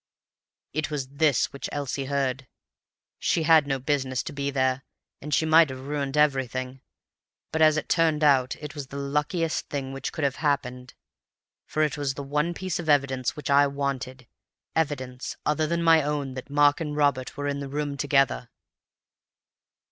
It was this which Elsie heard. She had no business to be there and she might have ruined everything, but as it turned out it was the luckiest thing which could have happened. For it was the one piece of evidence which I wanted; evidence, other than my own, that Mark and Robert were in the room together.